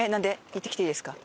行ってきていいですか？